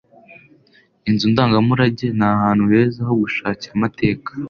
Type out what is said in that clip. Inzu ndangamurage ni ahantu heza ho gushakira amateka.